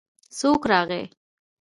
څوک راغی.